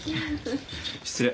失礼。